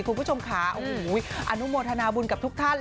คุณผู้ชมค่ะโอ้โหอนุโมทนาบุญกับทุกท่าน